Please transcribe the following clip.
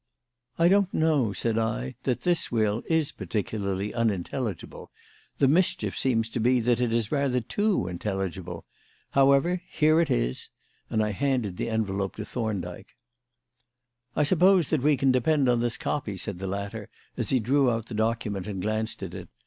"I don't know," said I, "that this will is particularly unintelligible. The mischief seems to be that it is rather too intelligible. However, here it is," and I handed the envelope to Thorndyke. "I suppose that we can depend on this copy," said the latter, as he drew out the document and glanced at it.